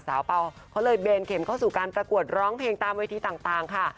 เป่าเขาเลยเบนเข็มเข้าสู่การประกวดร้องเพลงตามเวทีต่างค่ะ